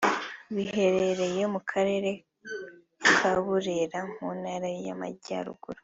biherereye mu karere ka Burera mu ntara y’ Amajyaruguru